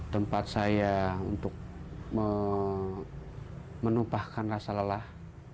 tempat saya untuk menumpahkan rasa lelah